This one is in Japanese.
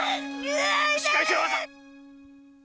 しっかりしろ！